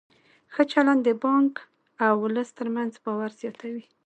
ښه چلند د بانک او ولس ترمنځ باور زیاتوي.